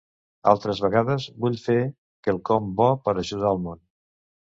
Altres vegades, vull fer quelcom bo per ajudar al món.